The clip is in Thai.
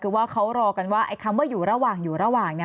คือว่าเขารอกันว่าไอ้คำว่าอยู่ระหว่างอยู่ระหว่างเนี่ย